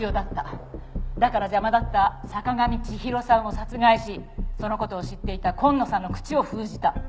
だから邪魔だった坂上千尋さんを殺害しその事を知っていた今野さんの口を封じた。